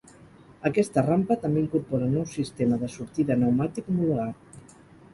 Aquesta rampa també incorpora un nou sistema de sortida pneumàtic homologat.